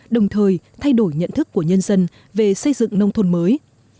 đồng thời thay đổi nhận thức của nhân dân về xây dựng nông thôn mới